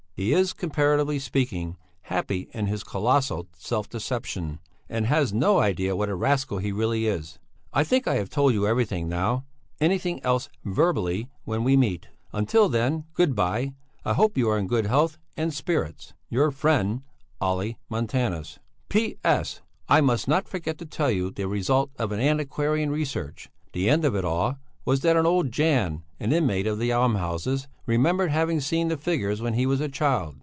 He is, comparatively speaking, happy in his colossal self deception, and has no idea what a rascal he really is. I think I have told you everything now; anything else verbally when we meet. Until then, good bye. I hope you are in good health and spirits. Your friend, OLLE MONTANUS. P.S. I must not forget to tell you the result of the antiquarian research. The end of it all was that old Jan, an inmate of the almshouses, remembered having seen the figures when he was a child.